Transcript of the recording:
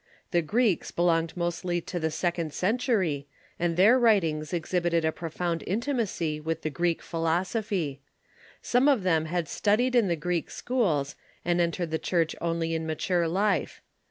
The Greeks belonged mostly to the second century, and their writings exhibited a profound intimacy with the Greek philosophy. Some of them had stud ied in the Greek schools, and entered the Church only in ma ture life.